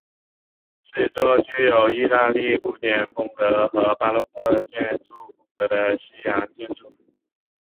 是一座具有意大利古典风格和巴洛克建筑风格的西洋建筑。